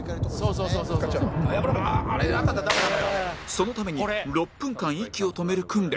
そのために６分間息を止める訓練